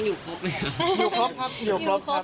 อยู่ครบครับอยู่ครบครับ